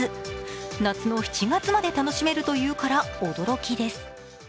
夏の７月まで楽しめると言うから驚きです。